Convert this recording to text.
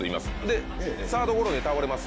でサードゴロで倒れます。